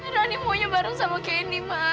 roni maunya bareng sama kenny ma